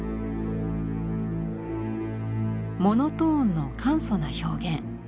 モノトーンの簡素な表現。